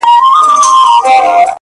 • تا ویل د بنده ګانو نګهبان یم,